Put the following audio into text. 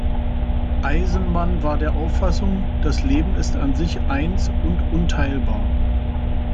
Eisenmann war der Auffassung: Das Leben ist an sich eins und unteilbar.